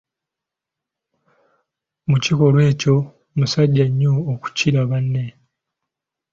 Mu kikolwa ekyo musajja nnyo okukira banne!